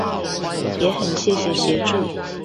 也很謝謝協助